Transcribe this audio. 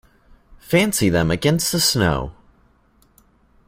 Fancy them against the snow!